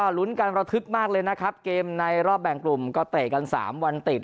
ลุ้นกันระทึกมากเลยนะครับเกมในรอบแบ่งกลุ่มก็เตะกัน๓วันติด